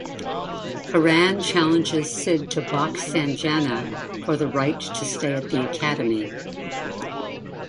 Karan challenges Sid to box Sanjana for the right to stay at the academy.